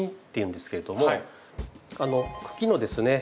茎のですね